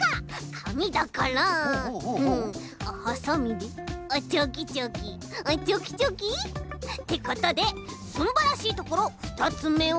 かみだからハサミであっチョキチョキあっチョキチョキ。ってことですんばらしいところ２つめは。